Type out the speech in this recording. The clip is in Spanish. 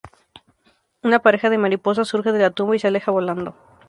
Una pareja de mariposas surge de la tumba y se aleja volando.